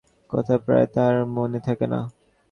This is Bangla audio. মরণাপন্ন পিসিকে দেখিয়া যাওয়ার কথা প্রায়ই তাহার মনে থাকে না।